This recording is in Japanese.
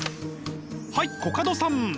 はいコカドさん！